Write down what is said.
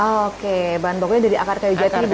oke bahan bakunya dari akar kayu jati begitu ya ibu